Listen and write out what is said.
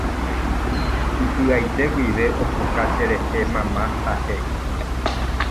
Ipy'aite guive opuka cherehe mama ha he'i.